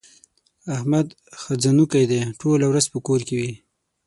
احمد ښځنوکی دی؛ ټوله ورځ په کور کې وي.